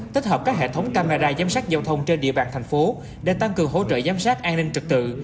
tích hợp các hệ thống camera giám sát giao thông trên địa bàn thành phố để tăng cường hỗ trợ giám sát an ninh trực tự